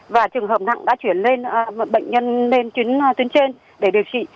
và trường hợp nặng đã chuyển bệnh nhân lên chuyến trên để điều trị